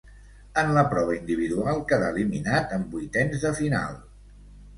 En la prova individual quedà eliminat en vuitens de final.